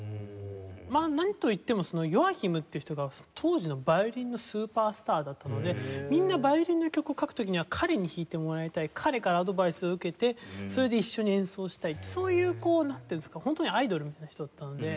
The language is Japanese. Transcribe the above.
なんといってもヨアヒムっていう人が当時のヴァイオリンのスーパースターだったのでみんなヴァイオリンの曲を書く時には彼に弾いてもらいたい彼からアドバイスを受けてそれで一緒に演奏したいってそういうこうなんていうんですかホントにアイドルみたいな人だったので。